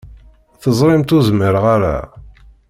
Teẓrimt ur zmireɣ ara.